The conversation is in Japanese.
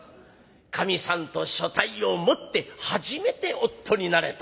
かみさんと所帯を持って初めて夫になれた。